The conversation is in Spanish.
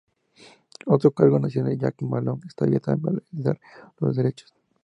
Otro cargo nacional, Jackie Malone, está abierta a invalidar los derechos.